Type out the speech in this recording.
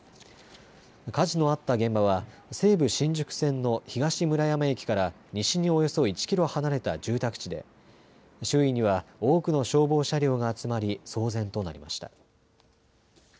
火事のあった現場は西武新宿線の東村山駅から西におよそ１キロ離れた住宅地で周囲には多くの消防車両が集まり騒然となりました。